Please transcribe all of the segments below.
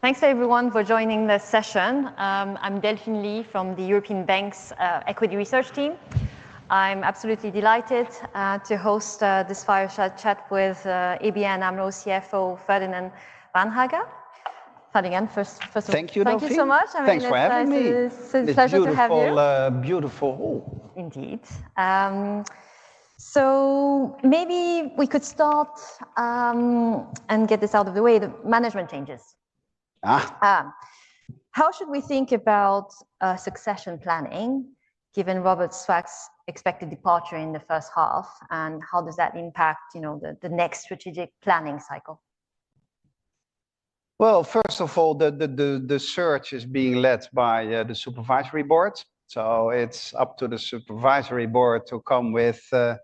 Thanks to everyone for joining this session. I'm Delphine Lee from the European Banks Equity Research Team. I'm absolutely delighted to host this fireside chat with ABN AMRO CFO Ferdinand Vaandrager. Ferdinand, first of all. Thank you. Thank you so much. Thanks for having me. It's a pleasure to have you. Beautiful, beautiful hall. Indeed. So maybe we could start and get this out of the way, the management changes. How should we think about succession planning, given Robert Swaak's expected departure in the first half? And how does that impact the next strategic planning cycle? First of all, the search is being led by the Supervisory Board. So it's up to the Supervisory Board to come with the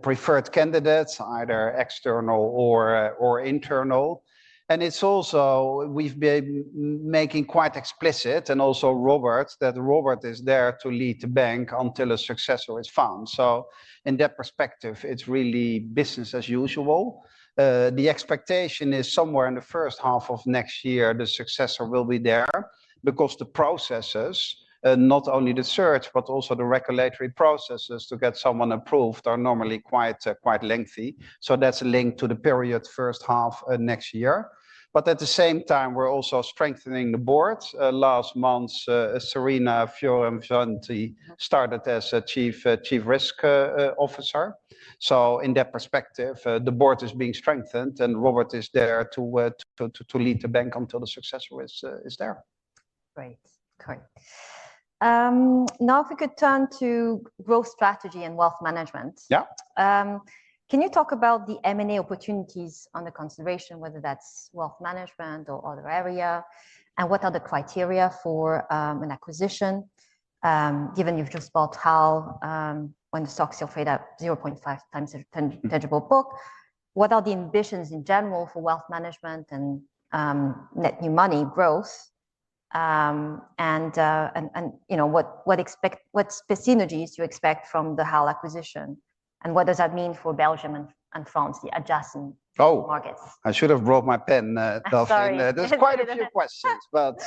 preferred candidates, either external or internal. And it's also we've been making quite explicit, and also Robert, that Robert is there to lead the bank until a successor is found. So in that perspective, it's really business as usual. The expectation is somewhere in the first half of next year, the successor will be there, because the processes, not only the search, but also the regulatory processes to get someone approved are normally quite lengthy. So that's linked to the period first half next year. But at the same time, we're also strengthening the board. Last month, Serena Fioravanti started as Chief Risk Officer. So in that perspective, the board is being strengthened, and Robert is there to lead the bank until the successor is there. Great. Now, if we could turn to growth strategy and wealth management. Yeah. Can you talk about the M&A opportunities under consideration, whether that's wealth management or other area, and what are the criteria for an acquisition, given you've just bought HAL when the stock's still traded at 0.5 times the tangible book? What are the ambitions in general for wealth management and net new money growth? And what synergies do you expect from the HAL acquisition? And what does that mean for Belgium and France, the adjacent markets? Oh, I should have brought my pen, Delphine. Sorry. There's quite a few questions, but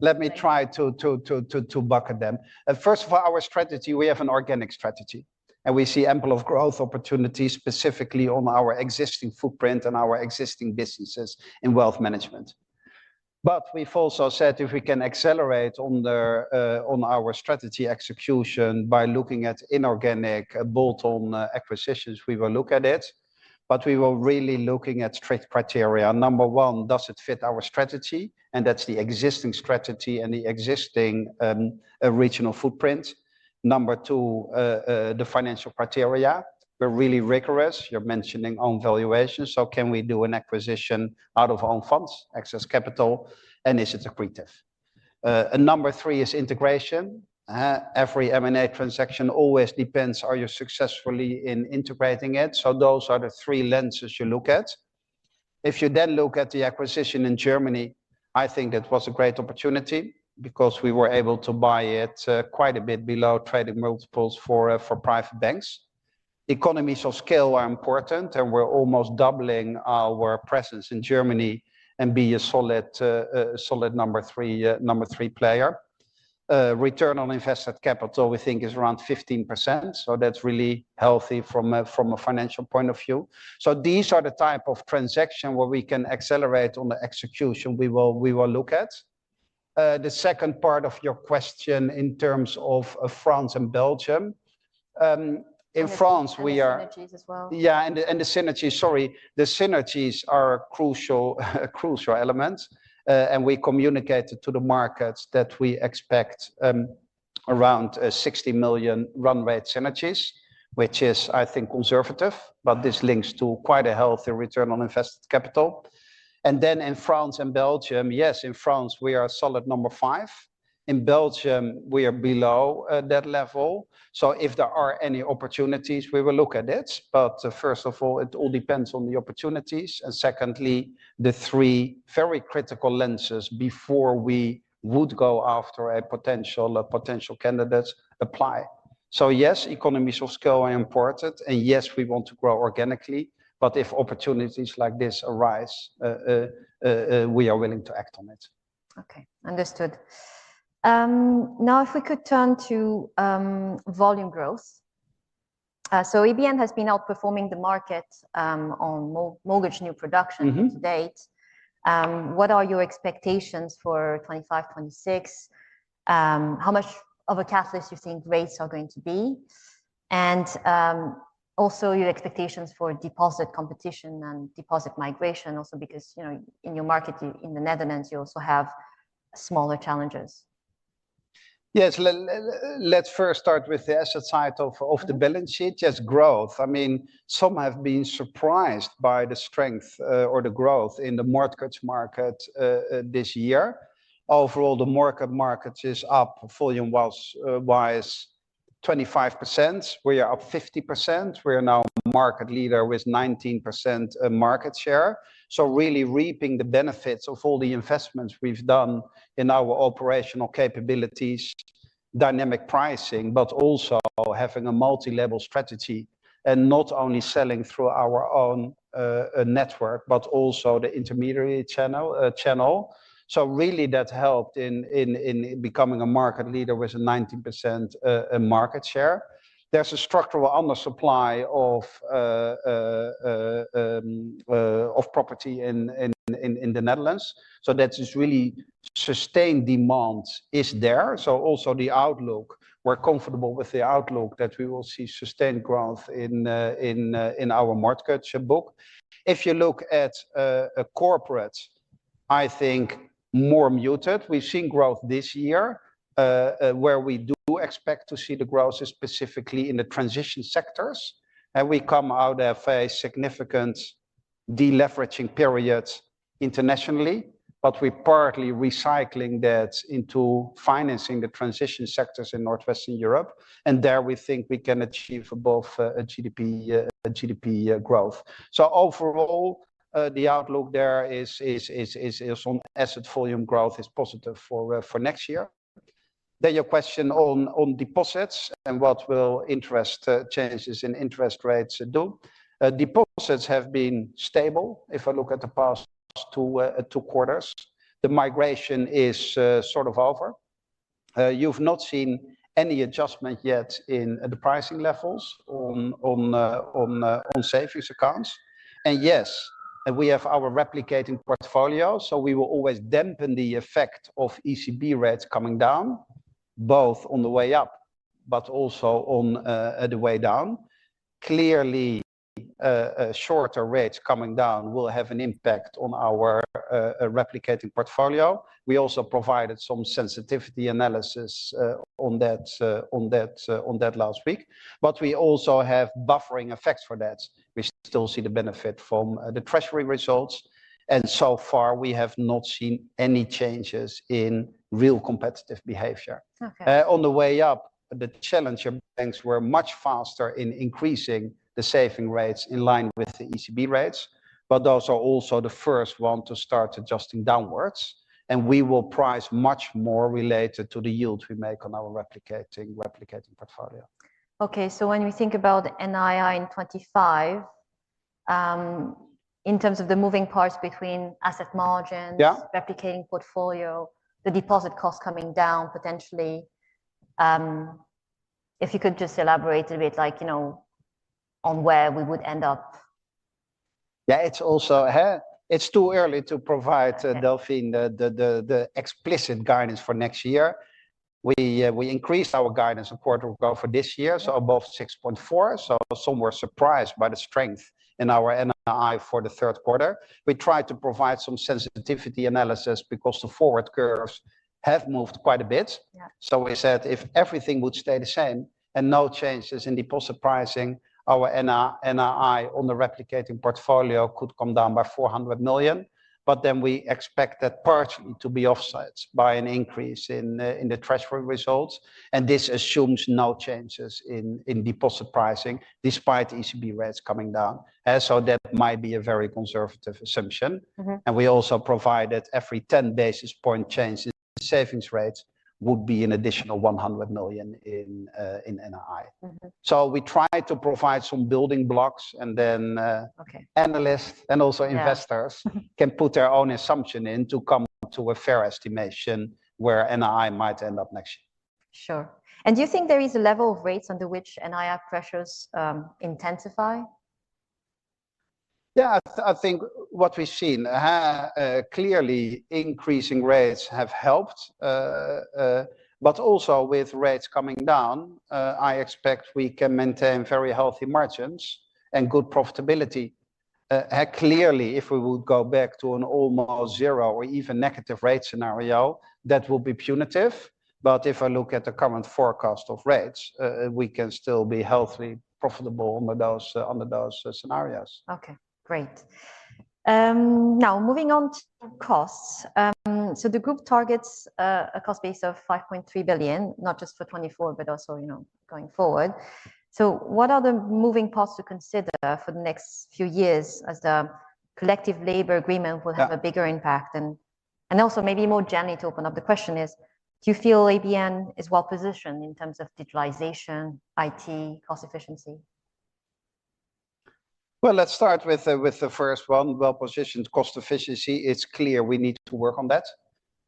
let me try to bucket them. First of all, our strategy, we have an organic strategy. And we see ample growth opportunities specifically on our existing footprint and our existing businesses in wealth management. But we've also said if we can accelerate on our strategy execution by looking at inorganic bolt-on acquisitions, we will look at it. But we will really look at strict criteria. Number one, does it fit our strategy? And that's the existing strategy and the existing regional footprint. Number two, the financial criteria. We're really rigorous. You're mentioning own valuation. So can we do an acquisition out of own funds, excess capital, and is it accretive? And number three is integration. Every M&A transaction always depends, are you successfully integrating it? So those are the three lenses you look at. If you then look at the acquisition in Germany, I think it was a great opportunity because we were able to buy it quite a bit below trading multiples for private banks. Economies of scale are important, and we're almost doubling our presence in Germany and be a solid number three player. Return on invested capital, we think, is around 15%. So that's really healthy from a financial point of view. So these are the type of transaction where we can accelerate on the execution we will look at. The second part of your question in terms of France and Belgium. In France, we are. The synergies as well. Yeah, and the synergies, sorry. The synergies are crucial elements. And we communicated to the markets that we expect around 60 million run rate synergies, which is, I think, conservative. But this links to quite a healthy return on invested capital. And then in France and Belgium, yes, in France, we are solid number five. In Belgium, we are below that level. So if there are any opportunities, we will look at it. But first of all, it all depends on the opportunities. And secondly, the three very critical lenses before we would go after a potential candidate apply. So yes, economies of scale are important. And yes, we want to grow organically. But if opportunities like this arise, we are willing to act on it. OK, understood. Now, if we could turn to volume growth. So ABN has been outperforming the market on mortgage new production to date. What are your expectations for 2025, 2026? How much of a catalyst do you think rates are going to be? And also, your expectations for deposit competition and deposit migration, also because in your market in the Netherlands, you also have smaller challengers? Yes, let's first start with the asset side of the balance sheet, just growth. I mean, some have been surprised by the strength or the growth in the mortgage market this year. Overall, the mortgage market is up volume-wise 25%. We are up 50%. We are now a market leader with 19% market share. So really reaping the benefits of all the investments we've done in our operational capabilities, dynamic pricing, but also having a multi-level strategy, and not only selling through our own network, but also the intermediary channel. So really, that helped in becoming a market leader with a 19% market share. There's a structural undersupply of property in the Netherlands. So that is really sustained demand is there. So also the outlook, we're comfortable with the outlook that we will see sustained growth in our mortgage book. If you look at corporates, I think more muted. We've seen growth this year, where we do expect to see the growth specifically in the transition sectors, and we come out of a significant deleveraging period internationally, but we're partly recycling that into financing the transition sectors in Northwestern Europe, and there, we think we can achieve both GDP growth, so overall, the outlook there is on asset volume growth is positive for next year, then your question on deposits and what will interest changes in interest rates do. Deposits have been stable if I look at the past two quarters. The migration is sort of over. You've not seen any adjustment yet in the pricing levels on savings accounts, and yes, we have our replicating portfolio, so we will always dampen the effect of ECB rates coming down, both on the way up, but also on the way down. Clearly, shorter rates coming down will have an impact on our replicating portfolio. We also provided some sensitivity analysis on that last week. But we also have buffering effects for that. We still see the benefit from the Treasury results. And so far, we have not seen any changes in real competitive behavior. On the way up, the challenger banks were much faster in increasing the saving rates in line with the ECB rates. But those are also the first one to start adjusting downwards. And we will price much more related to the yield we make on our replicating portfolio. OK, so when we think about NII in 2025, in terms of the moving parts between asset margins, replicating portfolio, the deposit cost coming down potentially, if you could just elaborate a bit on where we would end up. Yeah, it's also too early to provide, Delphine, the explicit guidance for next year. We increased our guidance a quarter ago for this year, so above 6.4%. So some were surprised by the strength in our NII for the third quarter. We tried to provide some sensitivity analysis because the forward curves have moved quite a bit. So we said if everything would stay the same and no changes in deposit pricing, our NII on the replicating portfolio could come down by 400 million. But then we expect that partially to be offset by an increase in the Treasury results. And this assumes no changes in deposit pricing despite ECB rates coming down. So that might be a very conservative assumption. And we also provided every 10 basis point changes in savings rates would be an additional 100 million in NII. So we tried to provide some building blocks. Analysts and also investors can put their own assumption in to come to a fair estimation where NII might end up next year. Sure. And do you think there is a level of rates under which NII pressures intensify? Yeah, I think what we've seen, clearly increasing rates have helped. But also with rates coming down, I expect we can maintain very healthy margins and good profitability. Clearly, if we would go back to an almost zero or even negative rate scenario, that would be punitive. But if I look at the current forecast of rates, we can still be healthy profitable under those scenarios. Okay, great. Now, moving on to costs. The group targets a cost base of 5.3 billion, not just for 2024, but also going forward. What are the moving parts to consider for the next few years as the collective labor agreement will have a bigger impact? And also, maybe more generally to open up the question is, do you feel ABN is well positioned in terms of digitalization, IT, cost efficiency? Let's start with the first one, well-positioned cost efficiency. It's clear we need to work on that.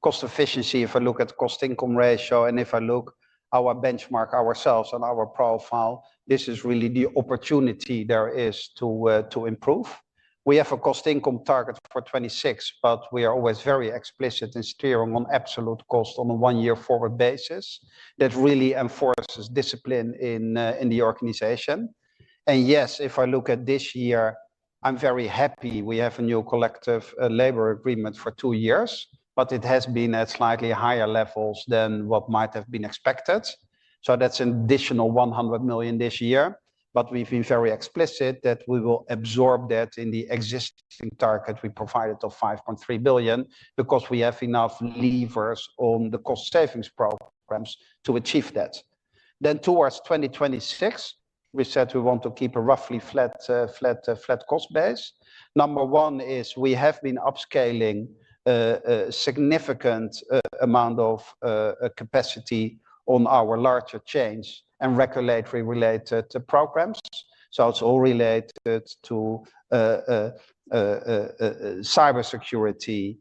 Cost efficiency, if I look at cost-to-income ratio, and if I look at our benchmark, ourselves, and our profile, this is really the opportunity there is to improve. We have a cost-to-income target for 2026, but we are always very explicit in steering on absolute cost on a one-year forward basis. That really enforces discipline in the organization. Yes, if I look at this year, I'm very happy we have a new collective labor agreement for two years. It has been at slightly higher levels than what might have been expected. That's an additional 100 million this year. But we've been very explicit that we will absorb that in the existing target we provided of 5.3 billion, because we have enough levers on the cost savings programs to achieve that. Then towards 2026, we said we want to keep a roughly flat cost base. Number one is we have been upscaling a significant amount of capacity on our large change and regulatory-related programs. So it's all related to cybersecurity,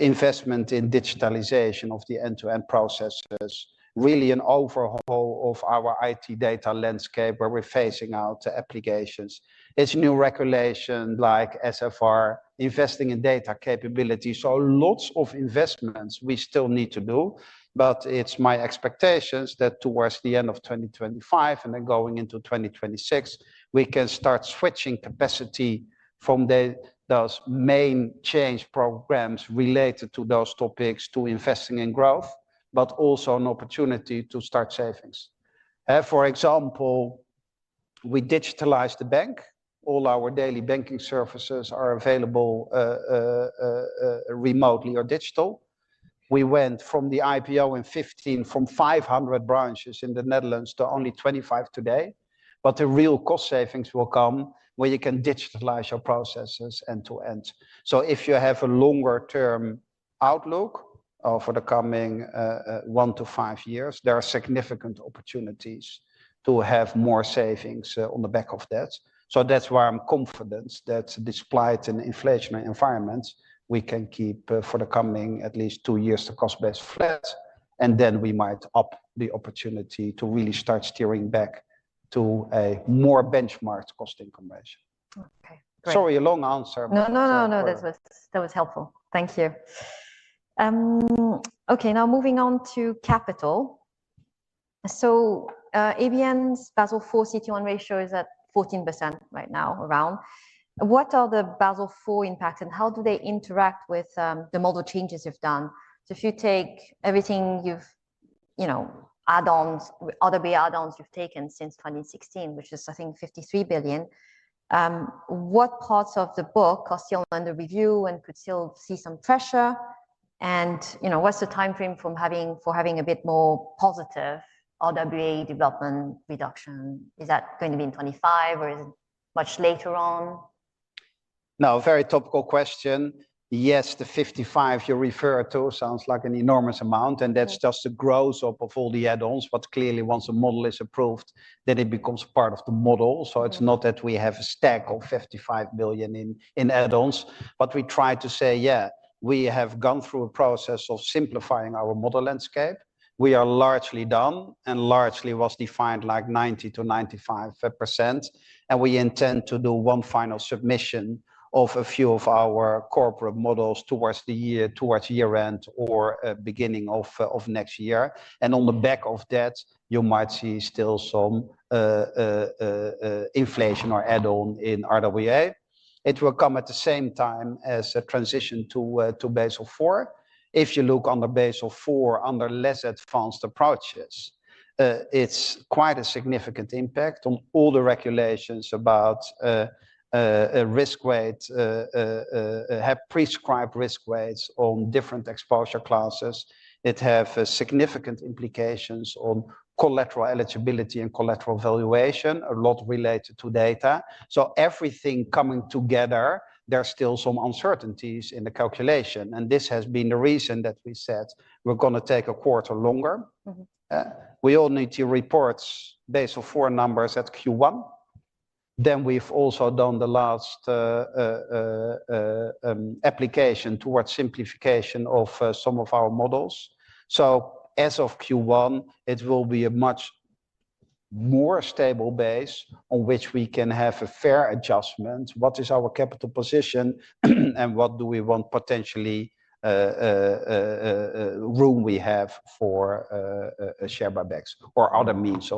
investment in digitalization of the end-to-end processes, really an overhaul of our IT data landscape where we're phasing out the applications. It's new regulation like SFDR, investing in data capability. So lots of investments we still need to do. But it's my expectation that towards the end of 2025 and then going into 2026, we can start switching capacity from those main change programs related to those topics to investing in growth, but also an opportunity to start savings. For example, we digitalized the bank. All our daily banking services are available remotely or digitally. We went from the IPO in 2015 from 500 branches in the Netherlands to only 25 today. But the real cost savings will come where you can digitalize your processes end to end. So if you have a longer-term outlook for the coming one to five years, there are significant opportunities to have more savings on the back of that. So that's why I'm confident that despite an inflationary environment, we can keep for the coming at least two years the cost base flat. And then we might have the opportunity to really start steering back to a more benchmarked cost-to-income ratio. Sorry, a long answer. No, no, no, no. That was helpful. Thank you. OK, now moving on to capital. So ABN's Basel IV CET1 ratio is at 14% right now, around. What are the Basel IV impacts? And how do they interact with the model changes you've done? So if you take everything you've add-ons, RWA add-ons you've taken since 2016, which is, I think, 53 billion, what parts of the book are still under review and could still see some pressure? And what's the time frame for having a bit more positive RWA development reduction? Is that going to be in 2025, or is it much later on? No, very topical question. Yes, the 55 you refer to sounds like an enormous amount. And that's just the growth of all the add-ons. But clearly, once a model is approved, then it becomes part of the model. So it's not that we have a stack of 55 million in add-ons. But we try to say, yeah, we have gone through a process of simplifying our model landscape. We are largely done, and largely was defined like 90%-95%. And we intend to do one final submission of a few of our corporate models towards year-end or beginning of next year. And on the back of that, you might see still some inflation or add-on in RWA. It will come at the same time as a transition to Basel IV. If you look under Basel IV, under less advanced approaches, it's quite a significant impact on all the regulations about risk weights, have prescribed risk weights on different exposure classes. It has significant implications on collateral eligibility and collateral valuation, a lot related to data. So everything coming together, there are still some uncertainties in the calculation. And this has been the reason that we said we're going to take a quarter longer. We all need to report Basel IV numbers at Q1. Then we've also done the last application towards simplification of some of our models. So as of Q1, it will be a much more stable base on which we can have a fair adjustment. What is our capital position? And what potential room we have for share buybacks or other means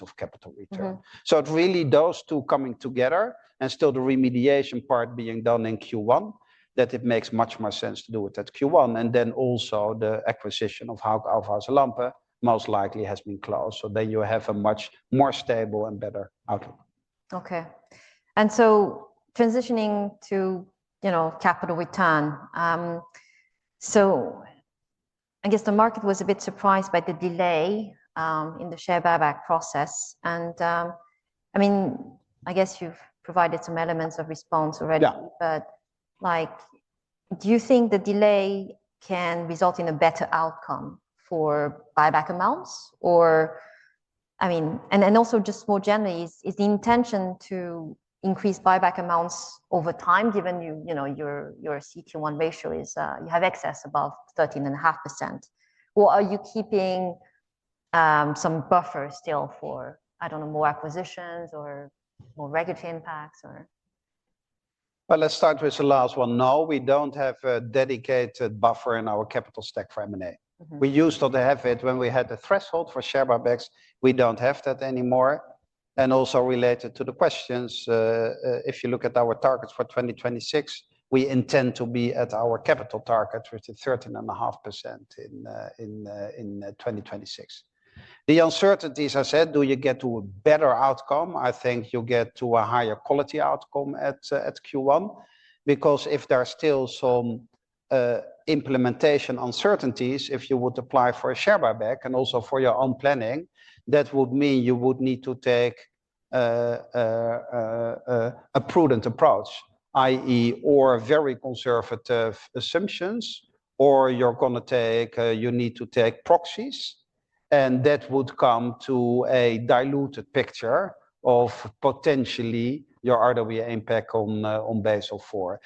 of capital return? So it's really those two coming together and still the remediation part being done in Q1, that it makes much more sense to do it at Q1. And then also the acquisition of Hauck Aufhäuser Lampe most likely has been closed. So then you have a much more stable and better outlook. OK. And so transitioning to capital return, so I guess the market was a bit surprised by the delay in the share buyback process. And I mean, I guess you've provided some elements of response already. But do you think the delay can result in a better outcome for buyback amounts? And then also just more generally, is the intention to increase buyback amounts over time, given your CET1 ratio is you have excess above 13.5%? Or are you keeping some buffer still for, I don't know, more acquisitions or more regulatory impacts? Let's start with the last one now. We don't have a dedicated buffer in our capital stack for M&A. We used to have it when we had the threshold for share buybacks. We don't have that anymore, and also related to the questions, if you look at our targets for 2026, we intend to be at our capital target with the 13.5% in 2026. The uncertainties, I said, do you get to a better outcome? I think you get to a higher quality outcome at Q1. Because if there are still some implementation uncertainties, if you would apply for a share buyback and also for your own planning, that would mean you would need to take a prudent approach, i.e., or very conservative assumptions, or you're going to take. You need to take proxies. That would come to a diluted picture of potentially your RWA impact on Basel IV.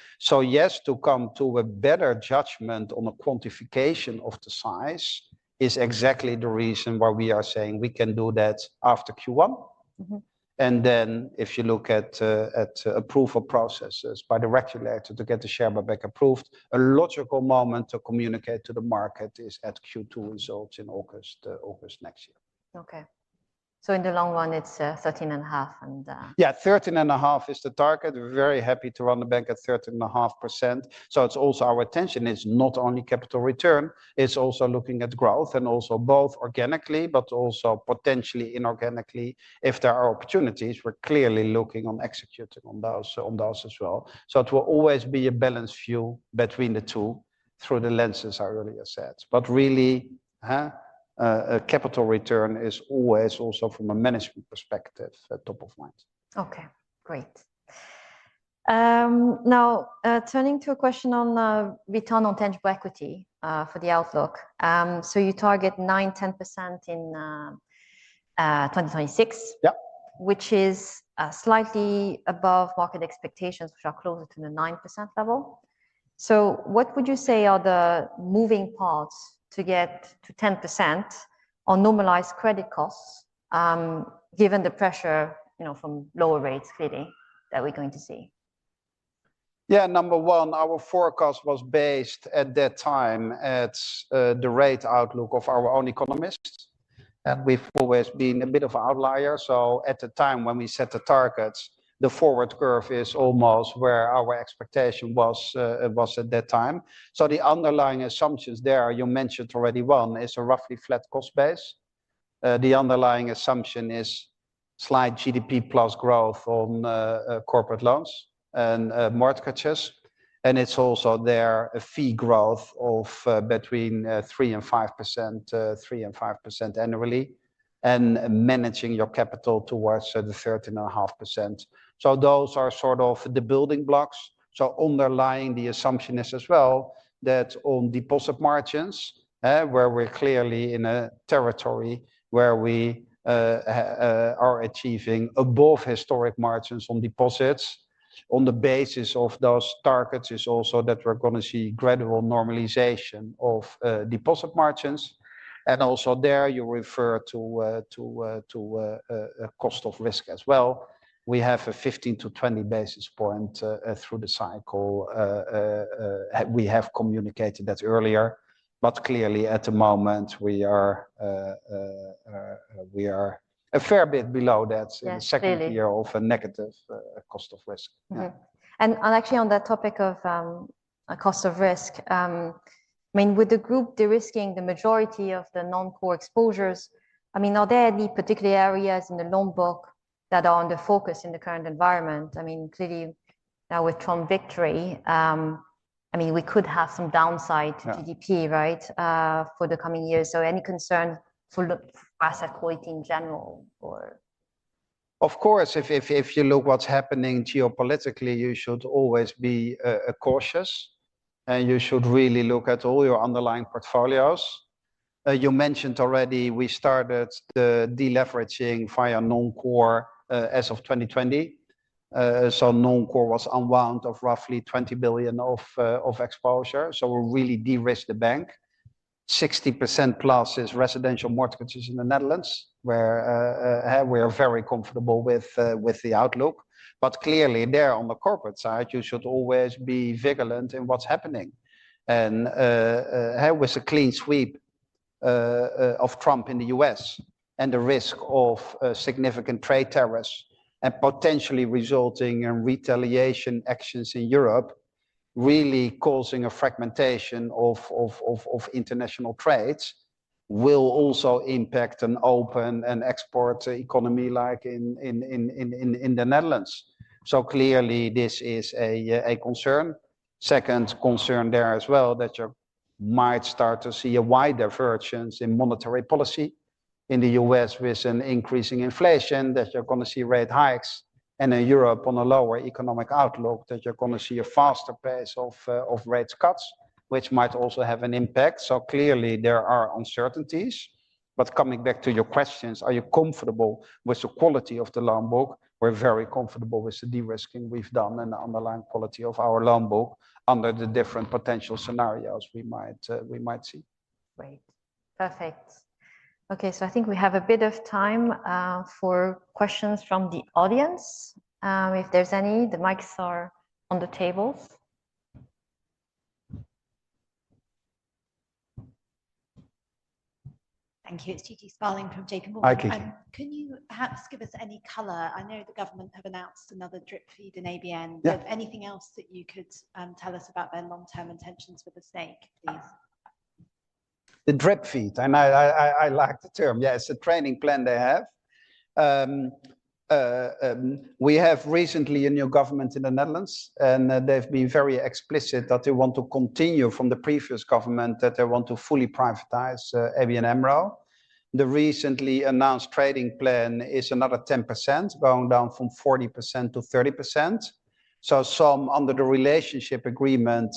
Yes, to come to a better judgment on the quantification of the size is exactly the reason why we are saying we can do that after Q1. If you look at approval processes by the regulator to get the share buyback approved, a logical moment to communicate to the market is at Q2 results in August next year. OK. So in the long run, it's 13.5%. Yeah, 13.5% is the target. We're very happy to run the bank at 13.5%. So it's also our intention is not only capital return. It's also looking at growth and also both organically, but also potentially inorganically. If there are opportunities, we're clearly looking on executing on those as well. So it will always be a balance view between the two through the lenses I earlier said. But really, capital return is always also from a management perspective top of mind. OK, great. Now, turning to a question on return on tangible equity for the outlook. So you target 9%-10% in 2026, which is slightly above market expectations, which are closer to the 9% level. So what would you say are the moving parts to get to 10% on normalized credit costs, given the pressure from lower rates clearly that we're going to see? Yeah, number one, our forecast was based at that time at the rate outlook of our own economists. And we've always been a bit of an outlier. So at the time when we set the targets, the forward curve is almost where our expectation was at that time. So the underlying assumptions there, you mentioned already one, is a roughly flat cost base. The underlying assumption is slight GDP plus growth on corporate loans and mortgages. And it's also there a fee growth of between 3% and 5%, 3% and 5% annually, and managing your capital towards the 13.5%. So those are sort of the building blocks. Underlying the assumption is as well that on deposit margins, where we're clearly in a territory where we are achieving above historic margins on deposits, on the basis of those targets is also that we're going to see gradual normalization of deposit margins. And also there, you refer to cost of risk as well. We have a 15-20 basis points through the cycle. We have communicated that earlier. But clearly, at the moment, we are a fair bit below that in the second year of a negative cost of risk. Actually, on that topic of cost of risk, I mean, with the group de-risking the majority of the non-core exposures, I mean, are there any particular areas in the loan book that are under focus in the current environment? I mean, clearly, now with Trump victory, I mean, we could have some downside to GDP, right, for the coming years. Any concern for asset quality in general? Of course, if you look what's happening geopolitically, you should always be cautious. And you should really look at all your underlying portfolios. You mentioned already we started the de-leveraging via non-core as of 2020. So non-core was unwound of roughly 20 billion of exposure. So we really de-risked the bank. 60% plus is residential mortgages in the Netherlands, where we are very comfortable with the outlook. But clearly, there on the corporate side, you should always be vigilant in what's happening. And with the clean sweep of Trump in the U.S. and the risk of significant trade tariffs and potentially resulting in retaliation actions in Europe, really causing a fragmentation of international trades will also impact an open and export economy like in the Netherlands. So clearly, this is a concern. Second concern there as well that you might start to see a wider divergence in monetary policy in the U.S. with an increasing inflation, that you're going to see rate hikes. And in Europe, on a lower economic outlook, that you're going to see a faster pace of rate cuts, which might also have an impact. So clearly, there are uncertainties. But coming back to your questions, are you comfortable with the quality of the loan book? We're very comfortable with the de-risking we've done and the underlying quality of our loan book under the different potential scenarios we might see. Great. Perfect. OK, so I think we have a bit of time for questions from the audience, if there's any. The mics are on the tables. Thank you. It's Gigi Sparling from J.P. Morgan. Hi, Gigi. Can you perhaps give us any color? I know the government have announced another drip feed in ABN. Anything else that you could tell us about their long-term intentions for the stake, please? The drip feed, and I like the term, yes, it's a trading plan they have. We have recently a new government in the Netherlands, and they've been very explicit that they want to continue from the previous government that they want to fully privatize ABN AMRO. The recently announced trading plan is another 10%, going down from 40% to 30%, so some under the relationship agreement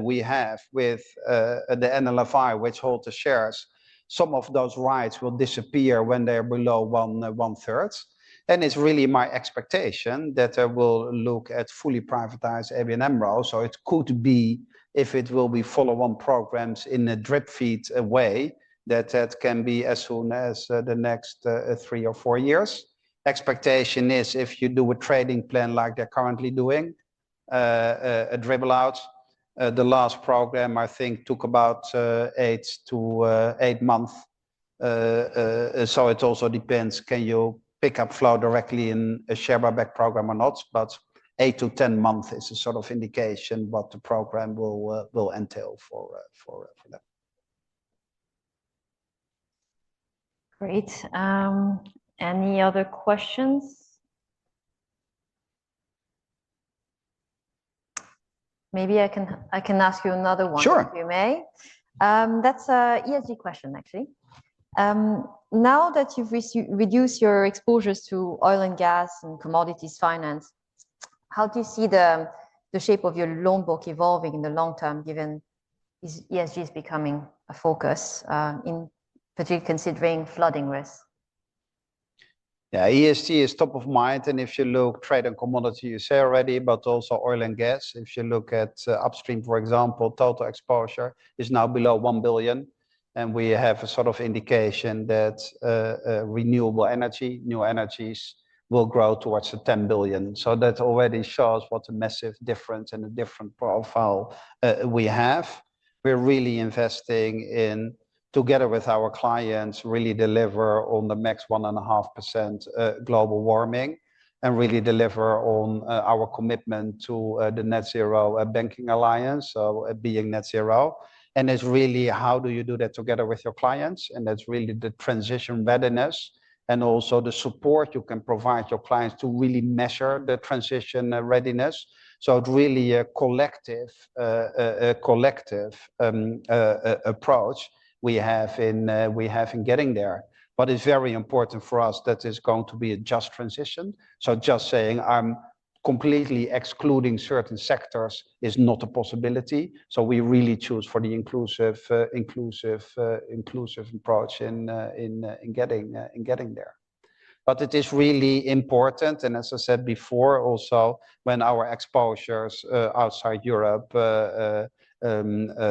we have with the NLFI, which holds the shares, some of those rights will disappear when they are below one-third, and it's really my expectation that they will look at fully privatizing ABN AMRO. So it could be, if it will be follow-on programs in a drip feed way, that that can be as soon as the next three or four years. Expectation is if you do a trading plan like they're currently doing, a dribble out. The last program, I think, took about eight months. So it also depends can you pick up flow directly in a share buyback program or not. But 8-10 months is a sort of indication what the program will entail for them. Great. Any other questions? Maybe I can ask you another one, if I may. Sure. That's an ESG question, actually. Now that you've reduced your exposures to oil and gas and commodities finance, how do you see the shape of your loan book evolving in the long term, given ESG is becoming a focus, particularly considering flooding risk? Yeah, ESG is top of mind. And if you look at trade and commodities, you say already, but also oil and gas. If you look at upstream, for example, total exposure is now below 1 billion. And we have a sort of indication that renewable energy, new energies, will grow towards 10 billion. So that already shows what a massive difference and a different profile we have. We're really investing in, together with our clients, really deliver on the max 1.5% global warming and really deliver on our commitment to the Net Zero Banking Alliance, so being net zero. And it's really, how do you do that together with your clients? And that's really the transition readiness and also the support you can provide your clients to really measure the transition readiness. So it's really a collective approach we have in getting there. But it's very important for us that it's going to be a just transition. So just saying I'm completely excluding certain sectors is not a possibility. So we really choose for the inclusive approach in getting there. But it is really important. And as I said before, also when our exposures outside Europe have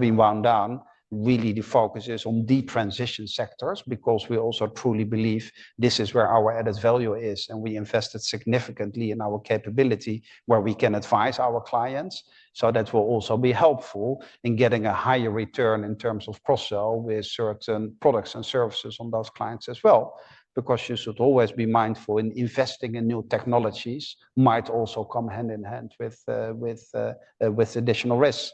been wound down, really the focus is on the transition sectors, because we also truly believe this is where our added value is. And we invested significantly in our capability where we can advise our clients. So that will also be helpful in getting a higher return in terms of cross-sell with certain products and services on those clients as well. Because you should always be mindful in investing in new technologies might also come hand in hand with additional risk.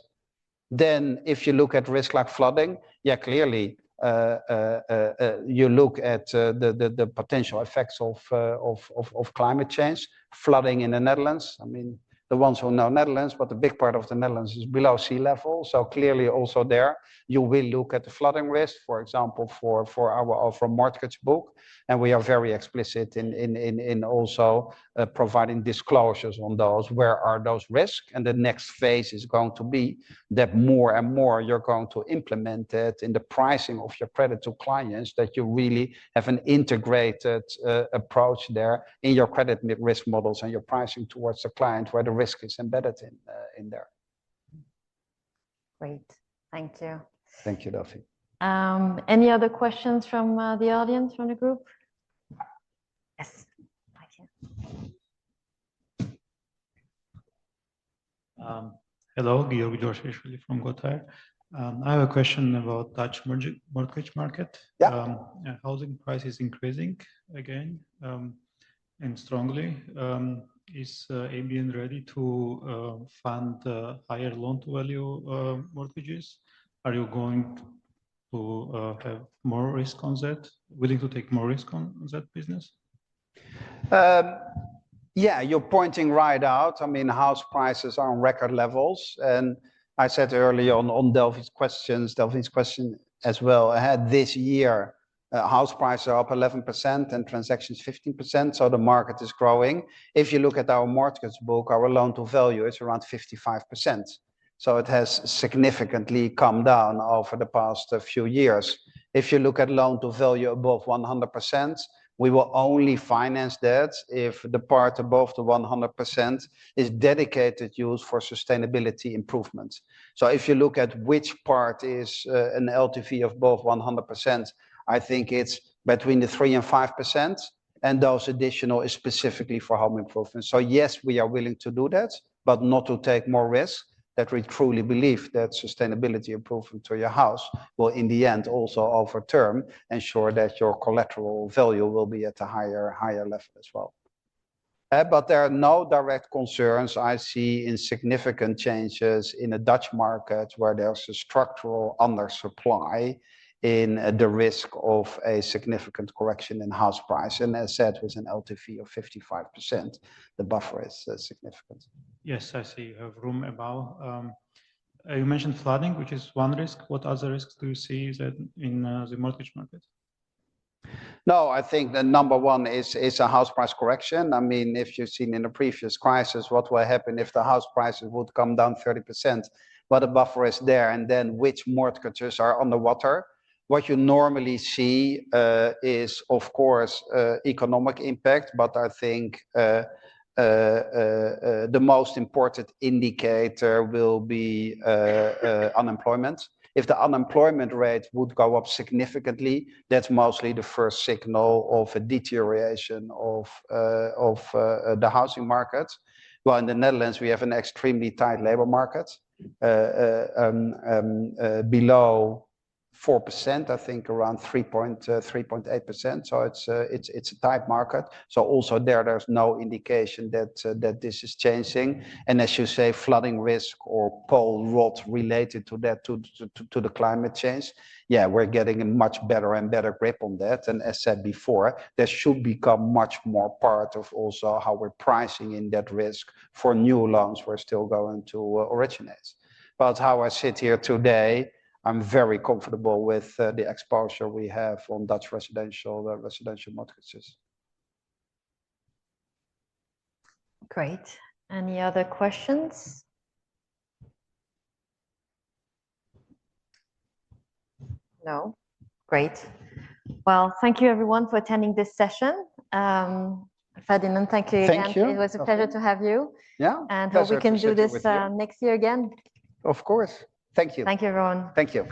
Then if you look at risk like flooding, yeah, clearly, you look at the potential effects of climate change. Flooding in the Netherlands, I mean, the ones who know Netherlands, but a big part of the Netherlands is below sea level. So clearly, also there, you will look at the flooding risk, for example, for our mortgage book. And we are very explicit in also providing disclosures on those, where are those risks. And the next phase is going to be that more and more you're going to implement that in the pricing of your credit to clients, that you really have an integrated approach there in your credit risk models and your pricing towards the client where the risk is embedded in there. Great. Thank you. Thank you, Delphine. Any other questions from the audience, from the group? Yes, Mike. Hello, from Gothaer, actually. I have a question about Dutch mortgage market. Yeah. Housing price is increasing again and strongly. Is ABN ready to fund higher loan-to-value mortgages? Are you going to have more risk on that, willing to take more risk on that business? Yeah, you're pointing right out. I mean, house prices are on record levels, and I said earlier on Delphine's questions, Delphine's question as well. This year, house prices are up 11% and transactions 15%. So the market is growing. If you look at our mortgage book, our loan-to-value is around 55%. So it has significantly come down over the past few years. If you look at loan-to-value above 100%, we will only finance that if the part above the 100% is dedicated use for sustainability improvement. So if you look at which part is an LTV of above 100%, I think it's between the 3% and 5%. And those additional is specifically for home improvement. So yes, we are willing to do that, but not to take more risk. That we truly believe that sustainability improvement to your house will, in the end, also over term ensure that your collateral value will be at a higher level as well. But there are no direct concerns I see in significant changes in the Dutch market, where there's a structural undersupply in the risk of a significant correction in house price, and as said, with an LTV of 55%, the buffer is significant. Yes, I see you have room about. You mentioned flooding, which is one risk. What other risks do you see in the mortgage market? No, I think that number one is a house price correction. I mean, if you've seen in the previous crisis what will happen if the house prices would come down 30%? What a buffer is there? Then which mortgages are underwater. What you normally see is, of course, economic impact, but I think the most important indicator will be unemployment. If the unemployment rate would go up significantly, that's mostly the first signal of a deterioration of the housing market. In the Netherlands, we have an extremely tight labor market below 4%, I think around 3.8%, so it's a tight market, so also there, there's no indication that this is changing, as you say, flooding risk or pole rot related to that, to the climate change, yeah, we're getting a much better and better grip on that. And as said before, that should become much more part of also how we're pricing in that risk for new loans we're still going to originate. But how I sit here today, I'm very comfortable with the exposure we have on Dutch residential mortgages. Great. Any other questions? No. Great. Well, thank you, everyone, for attending this session. Ferdinand, thank you again. Thank you. It was a pleasure to have you. Yeah. Thank you. Hope we can do this next year again. Of course. Thank you. Thank you, everyone. Thank you.